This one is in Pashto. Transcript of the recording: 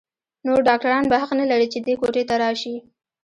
نور ډاکتران به حق نه لري چې دې کوټې ته راشي.